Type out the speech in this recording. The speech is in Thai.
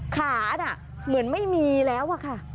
เหมือนไม่มีแล้วอะค่ะ